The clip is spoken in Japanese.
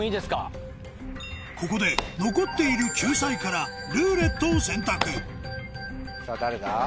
ここで残っている救済から「ルーレット」を選択さぁ誰だ？